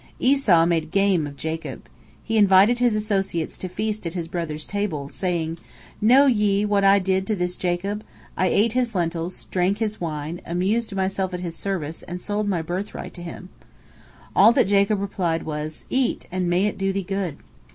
Esau made game of Jacob. He invited his associates to feast at his brother's table, saying, "Know ye what I did to this Jacob? I ate his lentils, drank his wine, amused myself at his expense, and sold my birthright to him." All that Jacob replied was, "Eat and may it do thee good!"